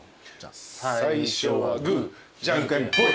最初はグーじゃんけんぽい。